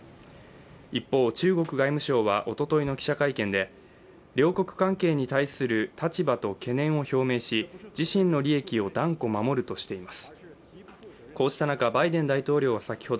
一方、中国外務省はおとといの記者会見で両国関係に対する立場と懸念を表明し、自身の利益を断固守るとしています。